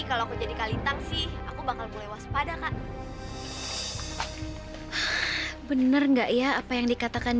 kalau aku jadi kalitang sih aku bakal boleh waspada kak bener enggak ya apa yang dikatakan